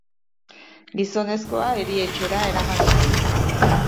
Gizonezkoa erietxera eraman dute.